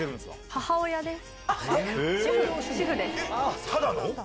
母親です。